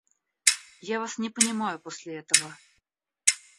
Я вас не понимаю после этого.